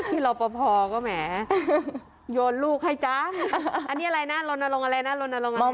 พี่เราพอก็แหมโยนลูกให้จ้าอันนี้อะไรนะรถนาลงอะไรนะรถนาลงอะไรนะ